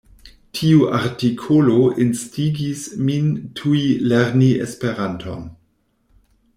Tiu artikolo instigis min tuj lerni Esperanton.